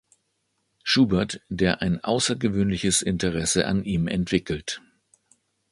Schubert, der ein außergewöhnliches Interesse an ihm entwickelt.